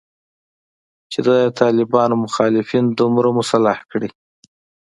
چې د طالبانو مخالفین دومره مسلح کړي